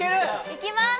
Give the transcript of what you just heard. いきます！